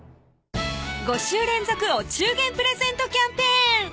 ５週連続お中元プレゼントキャンペーン